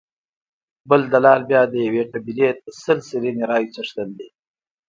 بل دلال بیا د یوې قبیلې د سل سلنې رایو څښتن دی.